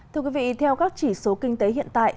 thưa quý vị theo các chỉ số kinh tế hiện tại